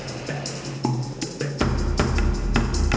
emang lu rupanya